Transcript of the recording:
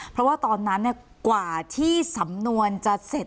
เพราะว่าตอนนั้นกว่าที่สำนวนจะเสร็จ